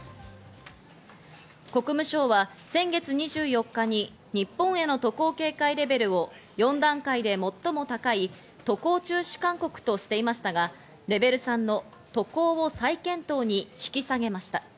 国務省は先月２４日に日本への渡航警戒レベルを４段階で最も高い渡航中止勧告としていましたが、レベル３の渡航を再検討に引き下げました。